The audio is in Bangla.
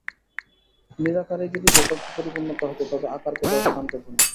নিরাকারই যদি যথার্থ পরিপূর্ণতা হত তবে আকার কোথাও স্থান পেত না।